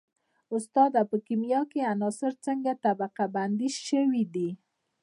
استاده په کیمیا کې عناصر څنګه طبقه بندي شوي دي